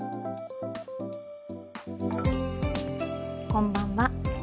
こんばんは。